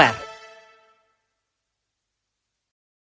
jangan lupa untuk berlangganan